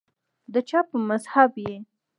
دچا په مذهب یی